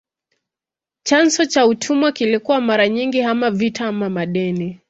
Chanzo cha utumwa kilikuwa mara nyingi ama vita ama madeni.